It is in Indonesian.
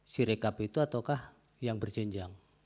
si rekap itu ataukah yang berjenjang